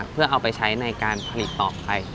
เพื่อเอาไปใช้ในการผลิตต่อไป